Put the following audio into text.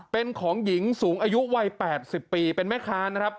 เป็นของหญิงสูงอายุวัย๘๐ปีเป็นแม่ค้านะครับ